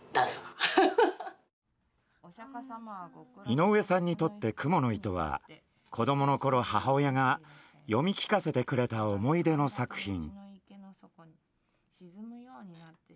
井上さんにとって「蜘蛛の糸」は子供のころ母親が読み聞かせてくれた思い出の作品。